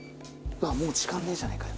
もう時間ねえじゃねえかよ